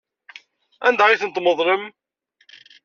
Anda ay tent-tmeḍlem?